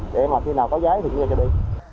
để mà khi nào có giá thì chúng ta cho đi